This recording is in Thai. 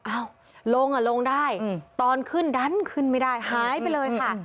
ลงอ่ะลงได้ตอนขึ้นดันขึ้นไม่ได้หายไปเลยค่ะ